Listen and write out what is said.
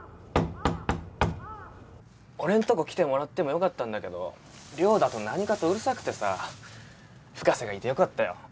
俺んとこ来てもらっても良かったんだけど寮だと何かとうるさくてさ深瀬がいて良かったよ